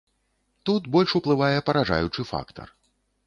Тут больш уплывае паражаючы фактар.